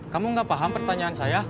kamu gak paham pertanyaan saya